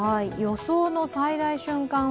予想の最大瞬間